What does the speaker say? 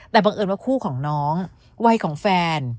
แต่บังเอิญว่าคู่ของน้องวัยของแฟน